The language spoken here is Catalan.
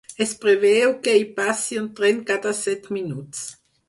Es preveu que hi passi un tren cada set minuts.